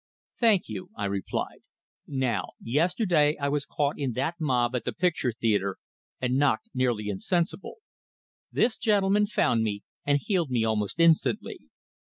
"Thank you," I replied. "Now, yesterday I was caught in that mob at the picture theatre, and knocked nearly insensible. This gentleman found me, and healed me almost instantly.